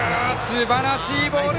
すばらしいボール！